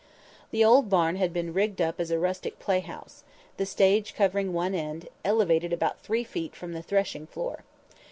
The old barn had been rigged up as a rustic playhouse, the stage covering one end, elevated about three feet from the threshing floor.